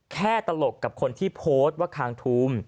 ตลกกับคนที่โพสต์ว่าคางทูม